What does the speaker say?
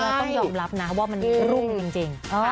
ต้องยอมรับนะว่ามันรุ่งจริง